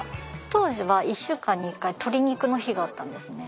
当時は１週間に１回鶏肉の日があったんですね。